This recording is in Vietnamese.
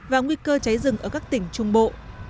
và nguy cơ cháy rừng ở các tỉnh trung bộ